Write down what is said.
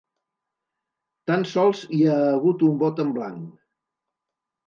Tan sols hi ha hagut un vot en blanc.